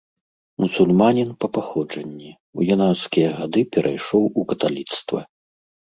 Мусульманін па паходжанні, у юнацкія гады перайшоў у каталіцтва.